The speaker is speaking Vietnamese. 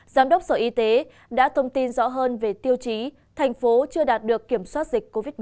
giám đốc sở y tế đã thông tin rõ hơn về tiêu chí thành phố chưa đạt được kiểm soát dịch covid một mươi chín